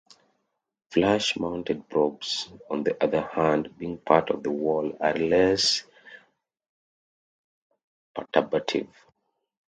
Flush-mounted probes, on the other hand, being part of the wall, are less perturbative.